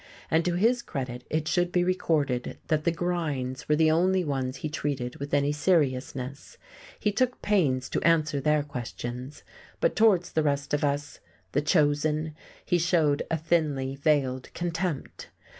And to his credit it should be recorded that the grinds were the only ones he treated with any seriousness; he took pains to answer their questions; but towards the rest of us, the Chosen, he showed a thinly veiled contempt.